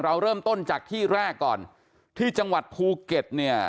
เราเริ่มต้นจากที่แรกก่อนที่จังหวัดภูเก็ตเนี่ย